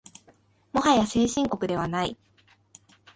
もはや先進国ではない